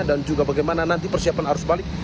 dan juga bagaimana nanti persiapan arus balik